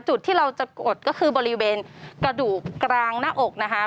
จุดที่เราจะกดก็คือบริเวณกระดูกกลางหน้าอกนะคะ